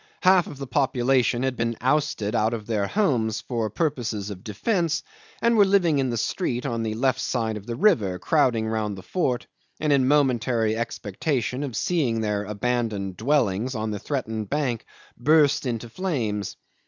Half of the population had been ousted out of their homes for purposes of defence, and were living in the street on the left side of the river, crowding round the fort, and in momentary expectation of seeing their abandoned dwellings on the threatened bank burst into flames.